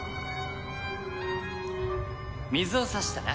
水を差したな。